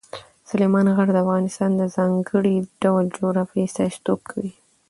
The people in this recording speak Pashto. سلیمان غر د افغانستان د ځانګړي ډول جغرافیې استازیتوب کوي.